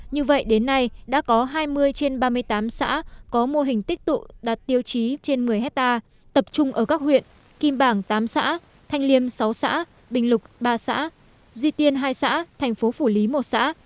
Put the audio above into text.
như vậy đến nay đã có hai mươi trên ba mươi tám xã có mô hình tích tụ đạt tiêu chí trên một mươi hectare tập trung ở các huyện kim bảng tám xã thanh liêm sáu xã bình lục ba xã duy tiên hai xã thành phố phủ lý một xã